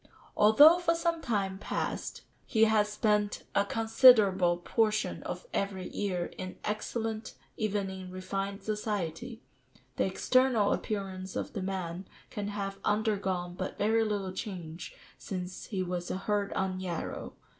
] "Although for some time past he has spent a considerable portion of every year in excellent, even in refined society, the external appearance of the man can have undergone but very little change since he was 'a herd on Yarrow.